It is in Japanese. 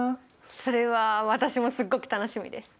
それは私もすっごく楽しみです。